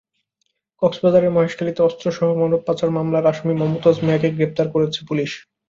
কক্সবাজারের মহেশখালীতে অস্ত্রসহ মানব পাচার মামলার আসামি মমতাজ মিয়াকে গ্রেপ্তার করেছে পুলিশ।